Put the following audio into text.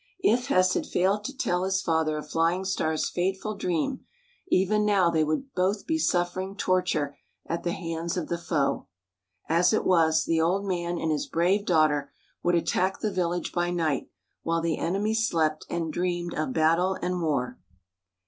If Hess had failed to tell his father of Flying Star's fateful dream, even now they would both be suffering torture at the hands of the foe. As it was, the old man and his brave daughter would attack the village by night, while the enemy slept and dreamed of battle and war.